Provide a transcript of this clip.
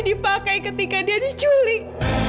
dipakai ketika dia diculik